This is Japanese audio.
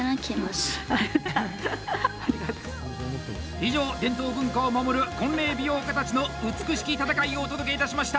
以上、伝統文化を守る婚礼美容家たちの美しき戦いをお届けいたしました！